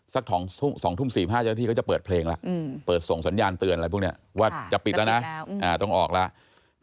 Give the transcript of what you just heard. สัก๒ทุ่ม๔๕เจ้าหน้าที่เขาจะเปิดเพลงแล้วเปิดส่งสัญญาณเตือนอะไรพวกนี้ว่าจะปิดแล้วนะต้องออกแล้ว